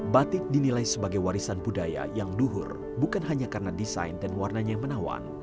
batik dinilai sebagai warisan budaya yang luhur bukan hanya karena desain dan warnanya yang menawan